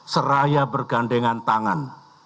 seraya bergandengan tangan